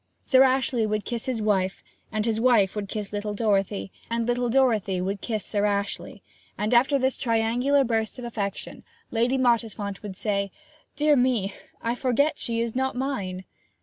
Sir Ashley would kiss his wife, and his wife would kiss little Dorothy, and little Dorothy would kiss Sir Ashley, and after this triangular burst of affection Lady Mottisfont would say, 'Dear me I forget she is not mine!'